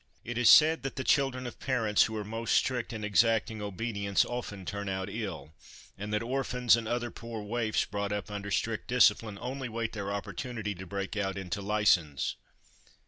It is said that the children of parents who are most strict in exacting obedience often turn out ill ; and that orphans and other poor waifs brought up under strict discipline only wait their opportunity to break out into license.